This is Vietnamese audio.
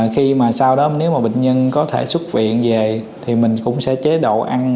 khi mà sau đó nếu mà bệnh nhân có thể xuất viện về thì mình cũng sẽ chế độ ăn